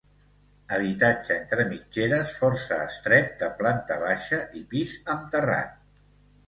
Habitatge entre mitgeres força estret, de planta baixa i pis amb terrat.